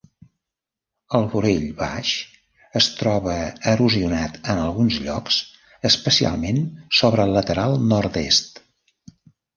El vorell baix es troba erosionat en alguns llocs, especialment sobre el lateral nord-est.